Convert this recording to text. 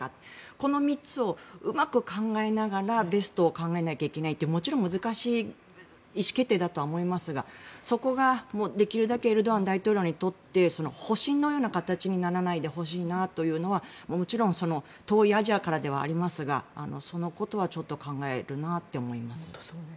この３つをうまく考えながらベストを考えなきゃいけないという、もちろん難しい意思決定だと思いますがそこが、できるだけエルドアン大統領にとって保身のような形にならないでほしいなというのは遠いアジアからではありますがそのことは考えるなと思います。